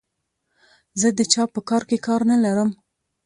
زه د چا په کار کې کار نه لرم.